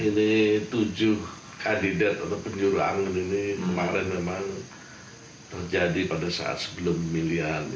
ini tujuh kandidat atau penyulang ini kemarin memang terjadi pada saat sebelum pemilihan